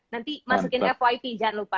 nanti masukin fyp jangan lupa